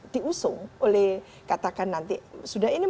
diusung oleh katakan nanti